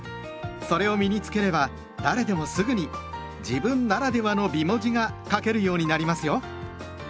それを身に付ければ誰でもすぐに「自分ならではの美文字」が書けるようになりますよ。